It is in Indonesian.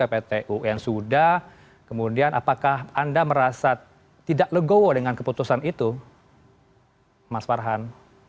apakah anda merasa tidak legowo dengan keputusan itu mas farhan